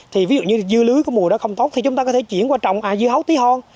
thì ví dụ như dưa lưới có mùi đó không tốt thì chúng ta có thể chuyển qua trồng dưa hấu tí hon